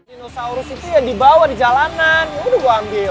sinosaurus itu ya dibawa di jalanan ini gue ambil